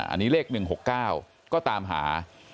อันนี้เลข๑๖๙ก็ตามหา